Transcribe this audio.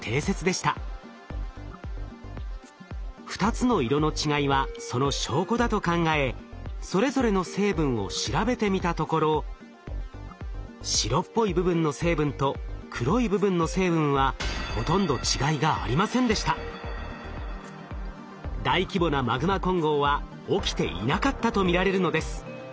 ２つの色の違いはその証拠だと考えそれぞれの成分を調べてみたところ白っぽい部分の成分と黒い部分の成分は大規模なマグマ混合は起きていなかったと見られるのです。